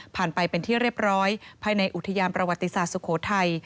ไปเป็นที่เรียบร้อยภายในอุทยานประวัติศาสตร์สุโขทัย